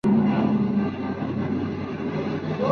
Surgido de las divisiones inferiores de Instituto de Cordoba.